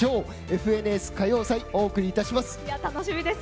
「ＦＮＳ歌謡祭」をお送りします。